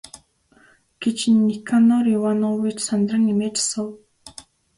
гэж Никанор Иванович сандран эмээж асуув.